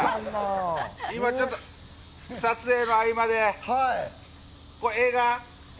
今ちょっと撮影の合間でこれ、映画。